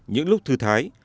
những lúc thư thái